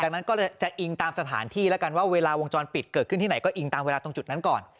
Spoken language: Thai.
ดังนั้นก็เลยจะอิงตามสถานที่แล้วกันว่าเวลาวงจรปิดเกิดขึ้นที่ไหนก็อิงตามเวลาตรงจุดนั้นก่อน